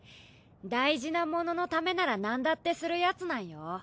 大事なもののためならなんだってするヤツなんよ。